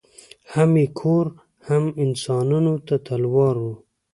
هم یې کور هم انسانانو ته تلوار وو